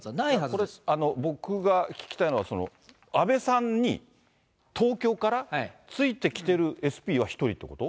これ、僕が聞きたいのは、安倍さんに、東京からついてきているＳＰは１人ってこと？